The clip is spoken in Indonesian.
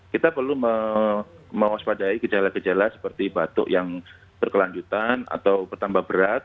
kita perlu mewaspadai gejala gejala seperti batuk yang berkelanjutan atau bertambah berat